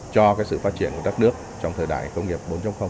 cho sự phát triển của đất nước trong thời đại công nghiệp bốn